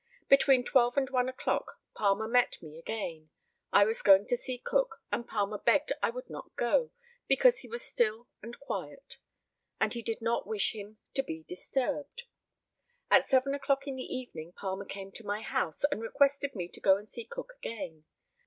Between twelve and one o'clock Palmer met me again. I was going to see Cook, and Palmer begged I would not go, because he was still and quiet, and he did not wish him to be disturbed. At seven o'clock in the evening Palmer came to my house, and requested me to go and see Cook again.